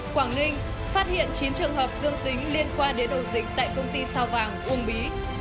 quảng ninh phát hiện chín trường hợp dương tính liên quan đến ổ dịch tại công ty sao vàng uông bí